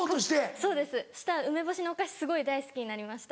そうですそしたら梅干しのお菓子すごい大好きになりました。